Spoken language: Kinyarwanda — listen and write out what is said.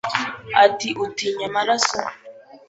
ati: “utinya amaraso?”